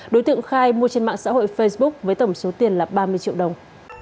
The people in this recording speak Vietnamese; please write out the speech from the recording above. đối tượng khai mua trên mạng xã hội facebook với tổng số tiền là ba mươi triệu đồng